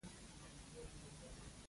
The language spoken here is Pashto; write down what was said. موسیقي یې کونډه کړه